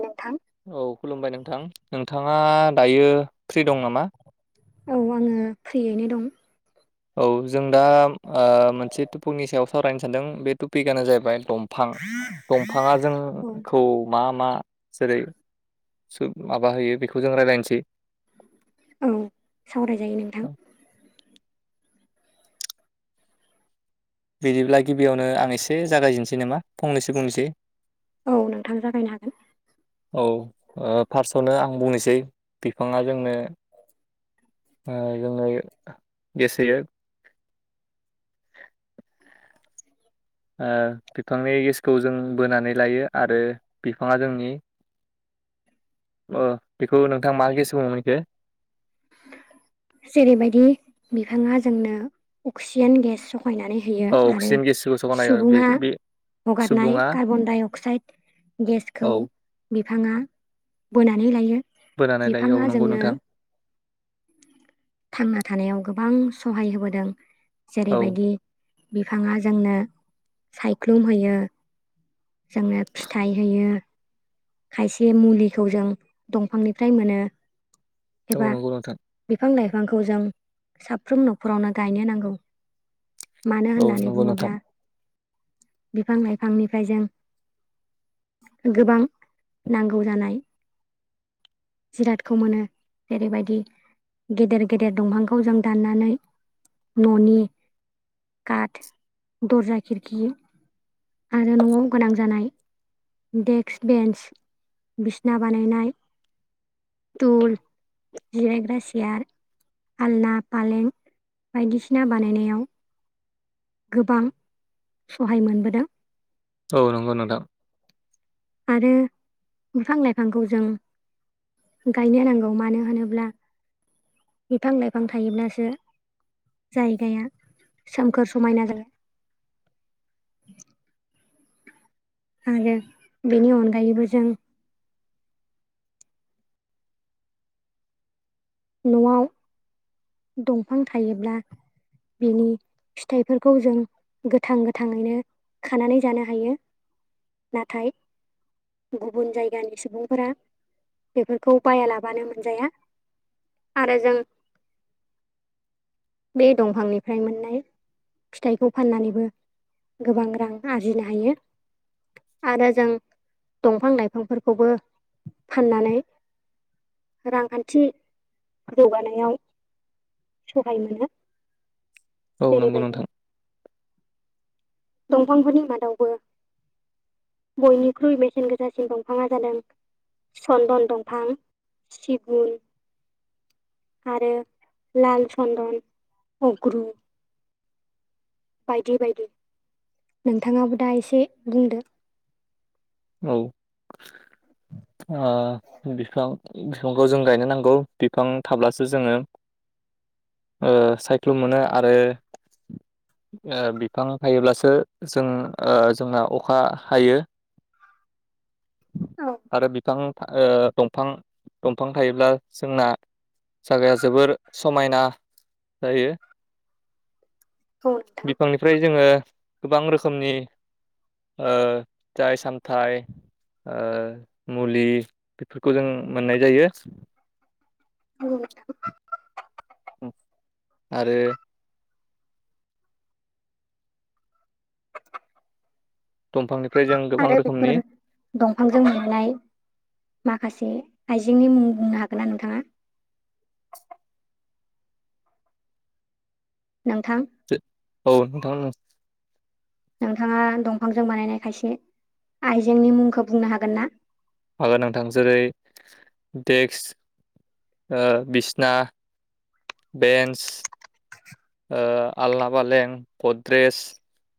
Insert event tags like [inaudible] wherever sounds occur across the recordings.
नोंथां औ खुलुमबाय नोंथां नोंथाङा दायो फ्रि दं नामा? औ आंङो फ्रियैनो दं। औ जों दा ओ मोनसे टपुकनि सायाव सावरायनो सानदों बे टुपिकआनो जाहैबाय दफां दंफांङा औ जोंखौ मा मा जेरै सु माबा होयो बेखौ जों रायलायनसै। औ सावरायजायो नोंथां। बिदिब्ला गिबियावनो आं एसे जागायजेननोसै नामा फंनैसो बुंनोसै औ नोंथां जागायनो हागोन। औ ओ फार्स्टआवनो आं बुंनोसै बिफाङा जोंनो ओ जोंङो गेसोयो। [inaudible] ओ बिफांनि गेसखौ जों बोनानै लायो आरो बिफांङा जोंनि अ बेखौ नोंथां मा गेस बुङोमोन इखो? जेरैबायदि बिफांङा जोंनो अक्सिजेन गेस फाहायनानै होयो औ आरो अक्सिजेन गेसखौ सगानाय आरो बे सुबुंङा बे हगारनाय सुबुङा कार्बन डाइ अक्साइड औ गेसखौ बि बिफांङा बोनानै लायो बोनानै लायो औ बिफांङा नंगौ जोंनो नोंथां थांना थानायाव गोबां सहाय होबोदों औ जेरैबायदि बिफांङा जोंनो सायख्लुमहयो जोंङो फिथाइ होयो । खायसे मुलिखौ जों दंफांनिफ्राय मोनो औ एबा नंगौ नोंथां बिफां लाइ फांखौ जों साफ्रोम न'खरावनो गायनो नांगौ । मानो औ होननानै नंगौ नोंथां बुंङोब्ला बिफां लाइफांनिफ्राय जों गोबां नांगौ जानाय जिरादखौ मोनो जेरैबायदि गेदेर गेदेर दंफांखौ जों दाननानै ननि काट दरजा किरखि आरो न'आव गोनां जानाय डेक्स बेन्स बिसना बानायनाय दुल जिरायग्रा सियार आलना फालें बायदिसिना बानायनायाव गोबां सहाय मोनबोदों औ नंगौ नोंथां आरो बिफां लाइफांखौ जों गायनो नांगौ मानो होनोब्ला बिफां लाइफां थायोब्लासो जायगाया सोमखोर समायना जाया । [inaudible] आरो बेनि अनगायैबो जों न'आव दंफां थायोब्ला बिनि फिथाइफोरखौ जों गोथां गोथाङैनो खानानै जानो हायो । नाथाय गुबुन जायगानि सुबुंफोरा बेफोरखौ बायालाबानो मोनजाया आरो जों बे दंफांनिफ्राय मोननाय फिथाइखौ फाननानैबो गोबां रां आरजिनो हायो आरो जों दंफां लाइफांफोरखौबो फाननानै रांखान्थि जौगानायाव सहाय मोनो औ नंगौ जेरैबायदि नोंथां दंफांफोरनि मादावबो बयनिख्रुइ बेसेन गोसासिन दंफाङा जादों सन्दन दंफां सिगुन आरो लाल चन्दन उग्रु बायदि बायदि नोंथाङाबो दा एसे बुंदो औ आ बिफां बिफांखौ जों गायनो नांगौ बिफां थाब्लासो जोङो ओ सायख्लं मोनो आरो ओ बिफां थायोब्लासो जों ओ जोंना अखा हायो औ आरो बिफां ओ दंफां दंफां थायोब्ला जोंना जागाया जोबोर समायना जायो औ नोंथां बिफांनिफ्राय जोङो गोबां रोखोमनि ओ फिथाइ सामथाइ ओ मुलि बेफोरखौ जों मोननाय जायो [unintelligible] आरो दंफांनिफ्राय जों गोबां आरो रोखोमनि बेफोर दंफांजों मोननाय माखासे आइजेंनि मुं बुंनो हागोनना नोंथाङा? नोंथां औ नोंथां ओं नोंथाङा दंफांजों बानायनाय खायसे आइजेंनि मुंखौ बुंनो हागोनना? हागोन नोंथां जेरै देक्स ओ बिसना बेन्स ओ आलना फालें गद्रेस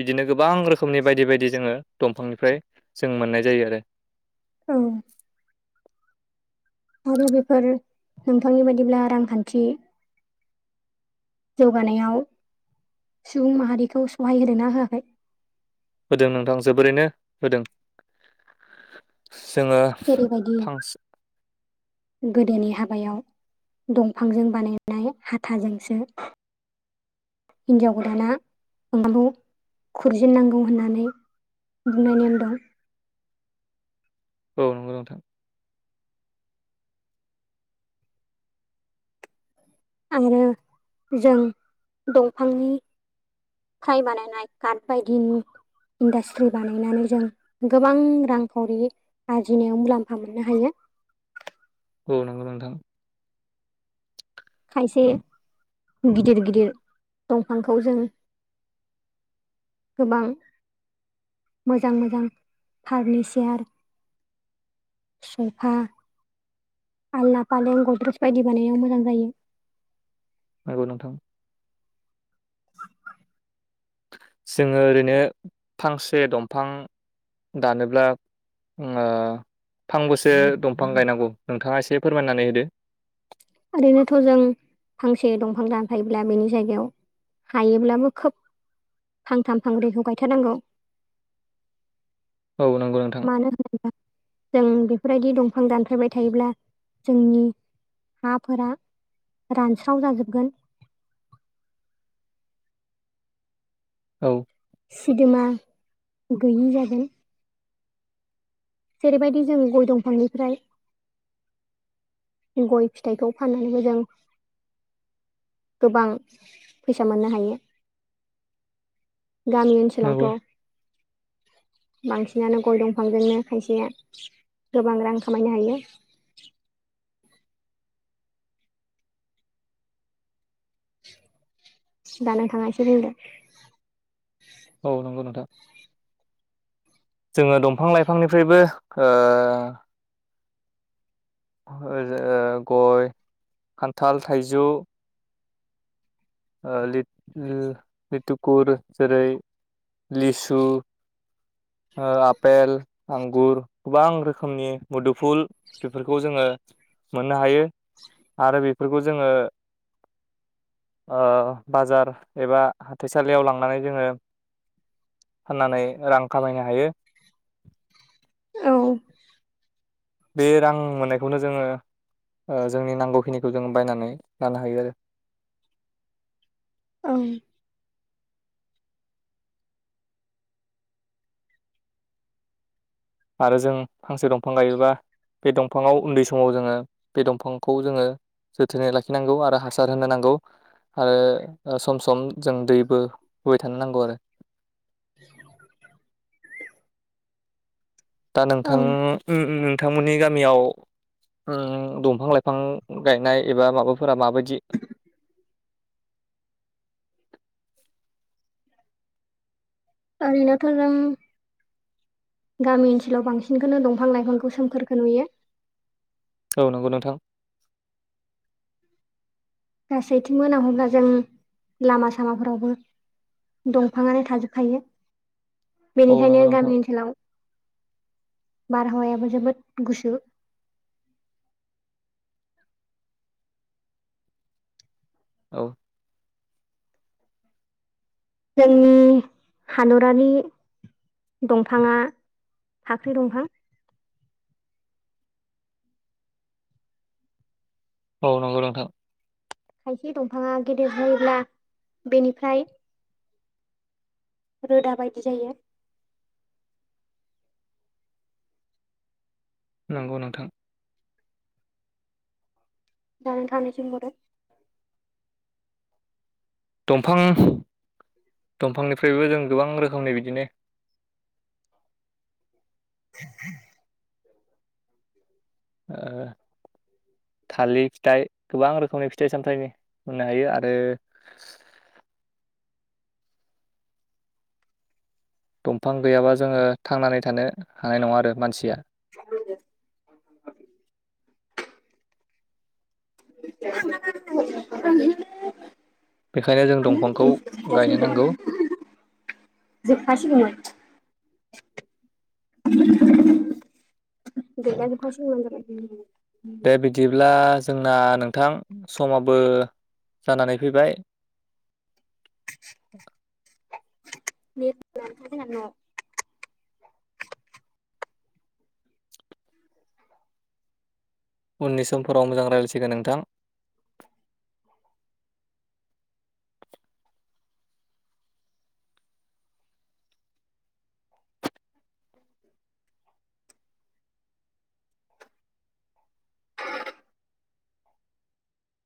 बिदिनो गोबां रोखोमनि बायदि बायदि जोङो दंफांनिफ्राय जों मोननाय जायो आरो औ आरो बेफोर नोंथांनि बायदिब्ला रांखान्थि जौगानायाव सुबुं माहारिखौ सहाय होदोंना होआखै होदों नोंथां जोबोरैनो होदों जोङो जेरैबायदि फांस गोदोनि हाबायाव दंफांजों बानायनाय हाथाजोंसो हिनजाव गोदाना ओंखामखौ खुरजेननांगौ होननानै बुंनाय नेम दं औ नंगौ नोंथां आरो जों दंफांनि फ्राय बानायाय काट बायदिनि इन्डास्ट्रि बानायनानै जों गोबां रांखावरि आरजिनायाव मुलाम्फा मोननो हायो [inaudible] औ नंगौ नोंथां खायसे गिदिर गिदिर दंफांखौ जों गोबां मोजां मोजां फार्निचार सफा आलना फालें गद्रेस बायदि बानायनायाव मोजां जायो नंगौ नोंथां जोङो ओरैनो फांसे दंफां दानोब्ला ओ फांबैसो दंफां गायनांगौ नोंथाङा एसे फोरमायनानै होदो ओरैनोथ' जों फांसे दंफां दानफायोब्ला बेनि जायगायाव हायोब्लाबो खोब फांथाम फांब्रैखौ गायथारनांगौ [inaudible] औ नंगौ नोंथां मानो होनोब्ला जों बेफोरबायदि दंफां दानफ्लायबाय थायोब्ला जोंनि हाफोरा रानस्राव जाजोबगोन औ सिदोमा गैयि जागोन जेरैबायदि जों गय दंफांनिफ्राय गय फिथाइखौ फाननानैबो जों गोबां फैसा मोननो हायो गामि नंगौ ओनसोलावथ' [inaudible] बांसिनानो गय दंफांजोंनो खायसेआ गोबां रां खामायनो हायो [inaudible] दा नोंथाङा एसे बुंदो औ नंगौ नोंथां जोङो दंफां लाइफांनिफ्रायबो [unintelligible] गय खान्थाल थाइजौ ओ लिथ ओ लिटकुर जेरै लिसु ओ आपेल आंगुर गोबां रोखोमनि मुदुफुल बेफोरखौ जोङो मोननो हायो आरो बेफोरखौ जोङो ओ बाजार एबा हाथाइसालियाव लांनानै जोङो फाननानै रां खामायनो हायो। औ बे रां मोननायखौनो जोङो ओ जोंनि नांगौखिनिखौ जों बायनानै लानो हायो आरो। ओं। आरो जों फांसे दंफां गायोबा बे दंफाङाव उन्दै समाव जोङो बे दंफांखौ जोङो जोथोनै लाखिनांगौ आरो हासार होनो नांगौ। आरो ओ सम सम जों दैबो होबाय थानो नांगौ आरो। [inaudible] दा नोंथां औ उम उम नोंथांमोननि गामियाव उम दंफां लाइफां गायनाय एबा माबाफोरा माबायदि [inaudible] आरैनोथ' जों गामि ओनसोलाव बांसिनखोनो दंफां लाइफांखौ सोमखोरखो नुयो। अ नंगौ नोंथां। गासैथिंबो नाह'ब्ला जों लामा सामाफोरावबो दंफाङानो थाजोबखायो औ बेनिखायनो नंगौ नोंथां गामि ओनसोलाव बारहावायाबो जोबोद गुसु। औ जोंनि हादरारि दंफाङा फाख्रि दंफां। औ नंगौ नोंथां। खायसे दंफाङा गेदिर जौओब्ला बेनिफ्राय रोदा बायदि जायो। नोंगौ नोंथां। [unintelligible] दंफां दंफांनिफ्रायबो जों गोबां रोखोमनि बिदिनो [inaudible] ओ थालि फिथाइ गोबां रोखोमनि फिथाइ सामथाइनि होननो हायो आरो दंफां गैयाबा जोङो थांनानै थानो हानाय नङा आरो मानसिया। [inaudible] [inaudible] [inaudible] बेखायनो जों दंफांखौ गायनो नांगौ जोबखा सिगौमोन। गैला जोबखा सिगौमोन [unintelligible] दे बिदिब्ला जोंना नोंथां समाबो जानानै फैबाय। [unintelligible] उननि समफोराव मोजां रायलायसिगोन नोंथां। [inaudible] [inaudible] [unintelligible]